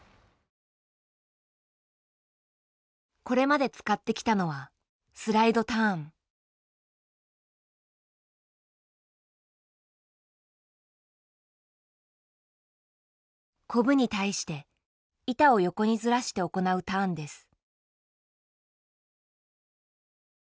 これまで使ってきたのはコブに対して板を横にずらして行うターンです。